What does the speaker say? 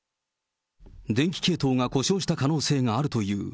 電気系統が故障した可能性があるという。